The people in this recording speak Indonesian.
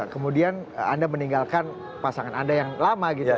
kemudian anda meninggalkan pasangan anda yang lama gitu